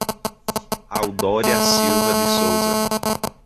Audoria Silva de Souza